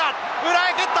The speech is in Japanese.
裏へ蹴った！